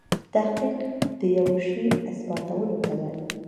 تحقیق دیوه شي اثباتولو ته وايي.